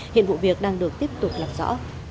hiện vụ việc đang được tiếp tục lập rõ